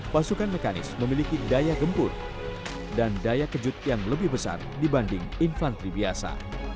pasukan mekanis memiliki daya gempur dan daya kejut yang lebih besar dibanding infanteri biasa